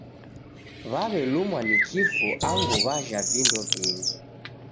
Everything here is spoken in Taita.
Waw'elumwa ni kifu angu wajha vindo vingi.